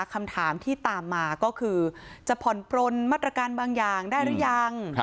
คำถามที่ตามมาก็คือจะผ่อนปลนมาตรการบางอย่างได้หรือยัง